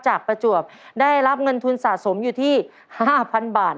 ประจวบได้รับเงินทุนสะสมอยู่ที่๕๐๐๐บาท